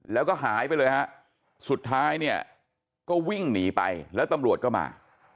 แล้วก็หายไปเลยฮะสุดท้ายเนี่ยก็วิ่งหนีไปแล้วตำรวจก็มา